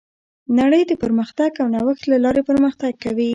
نړۍ د پرمختګ او نوښت له لارې پرمختګ کوي.